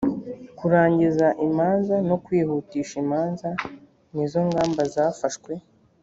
kurangiza imanza no kwihutisha imanza nizo ngamba zafashwe